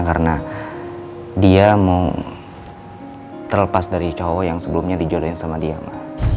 karena dia mau terlepas dari cowok yang sebelumnya dijodohin sama dia ma